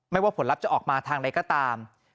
ว่าผลลัพธ์จะออกมาทางใดก็ตาม